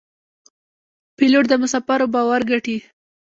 پیلوټ د مسافرو باور ګټي.